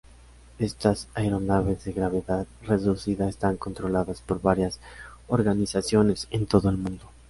Estas aeronaves de gravedad reducida están controladas por varias organizaciones en todo el mundo.